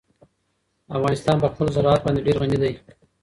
افغانستان په خپل زراعت باندې ډېر غني دی.